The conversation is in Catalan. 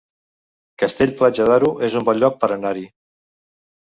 Castell-Platja d'Aro es un bon lloc per anar-hi